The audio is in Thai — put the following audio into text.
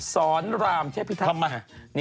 สอนรามเชฟพิทักษ์